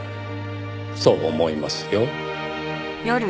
そう思いますよ。